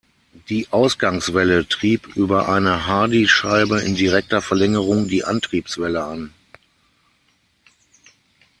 Die Ausgangswelle trieb über eine Hardyscheibe in direkter Verlängerung die Antriebswelle an.